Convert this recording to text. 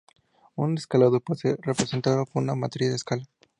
Un escalado puede ser representado por una matriz de escala.